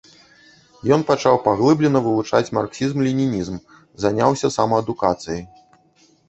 Ён пачаў паглыблена вывучаць марксізм-ленінізм, заняўся самаадукацыяй.